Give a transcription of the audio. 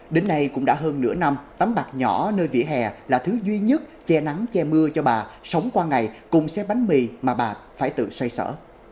đến nay cũng đã hơn nửa năm tấm bạc nhỏ nơi vỉa hè là thứ duy nhất che nắng che mưa cho bà sống qua ngày cùng xe bánh mì mà bà phải tự xoay sở